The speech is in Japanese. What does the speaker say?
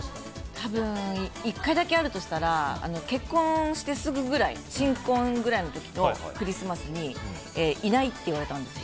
多分、１回だけあるとしたら結婚してすぐくらい新婚くらいの時のクリスマスにいないって言われたんですよ。